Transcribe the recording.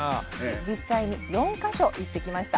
実際に４か所行ってきました。